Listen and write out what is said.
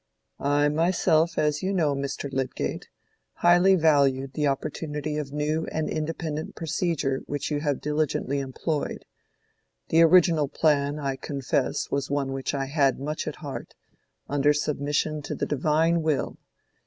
"I myself, as you know, Mr. Lydgate, highly valued the opportunity of new and independent procedure which you have diligently employed: the original plan, I confess, was one which I had much at heart, under submission to the Divine Will.